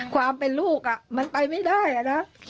ความเป็นลูกมันไปไม่ได้นะ